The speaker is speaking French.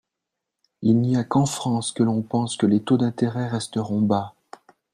Il n’y a qu’en France que l’on pense que les taux d’intérêt resteront bas.